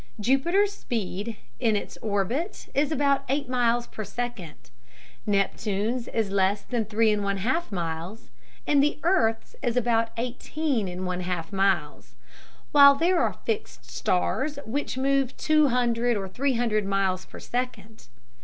Jupiter's speed in his orbit is about eight miles per second, Neptune's is less than three and one half miles, and the earth's is about eighteen and one half miles; while there are "fixed stars" which move two hundred or three hundred miles per second.